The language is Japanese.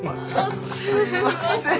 すいません。